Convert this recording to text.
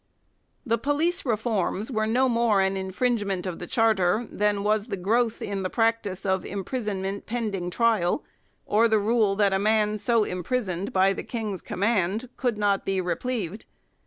The police reforms were no more an infringement of the Charter than was the growth in the practice of im prisonment pending trial, or the rule that a man so imprisoned by the King's command could not be re plevied.